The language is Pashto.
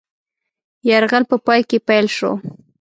یرغل په پای کې پیل شو.